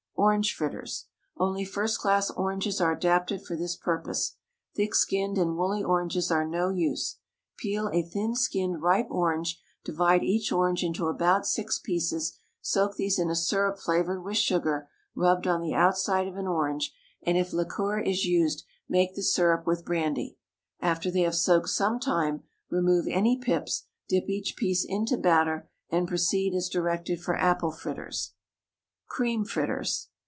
ORANGE FRITTERS. Only first class oranges are adapted for this purpose. Thick skinned and woolly oranges are no use. Peel a thin skinned ripe orange, divide each orange into about six pieces, soak these in a syrup flavoured with sugar rubbed on the outside of an orange, and if liqueur is used make the syrup with brandy. After they have soaked some time, remove any pips, dip each piece into hatter, and proceed as directed for apple fritters. CREAM FRITTERS.